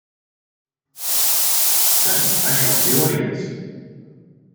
Honey, I Shrunk the Audience!